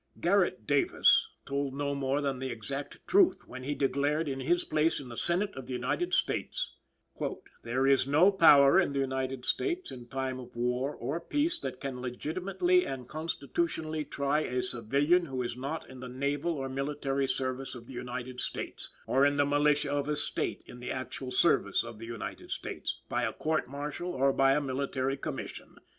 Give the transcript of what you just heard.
Garrett Davis told no more than the exact truth when he declared in his place in the Senate of the United States: "There is no power in the United States, in time of war or peace, that can legitimately and constitutionally try a civilian who is not in the naval or military service of the United States, or in the militia of a State in the actual service of the United States, by a court martial or by a military commission.